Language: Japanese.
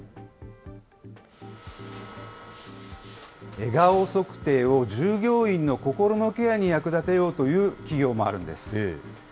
笑顔測定を従業員の心のケアに役立てようという企業もあるんです。